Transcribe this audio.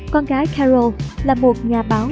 con gái carol là một nhà báo